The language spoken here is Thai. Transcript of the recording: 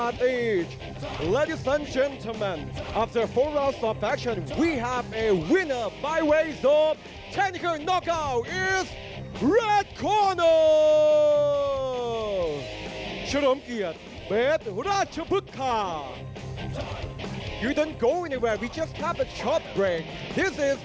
แดงและมุมน้ำเงินนะครับ